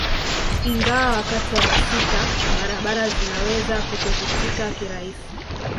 Ingawa wakati wa masika barabara zinaweza kutopitika kirahisi